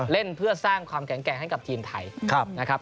เล่นเพื่อสร้างความแข็งแกร่งให้กับทีมไทยนะครับ